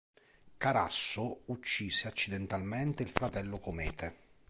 Carasso uccise accidentalmente il fratello Comete.